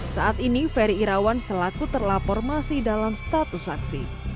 saat ini ferry irawan selaku terlapor masih dalam status saksi